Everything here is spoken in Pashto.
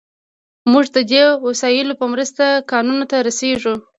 موږ د دې وسایلو په مرسته کانونو ته رسیږو.